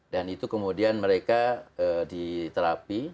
dan itu kemudian mereka diterapi